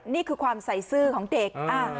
นี่คือความใส่ซื่อของเด็ก